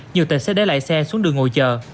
nhiều tệ xe để lại xe xuống đường ngồi chờ